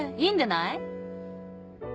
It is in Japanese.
いいんでない？